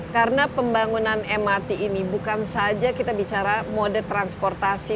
karena pembangunan mrt ini bukan saja kita bicara mode transportasi